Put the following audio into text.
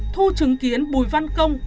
thu chứng kiến bùi văn công